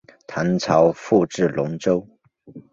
唐朝复置龙州。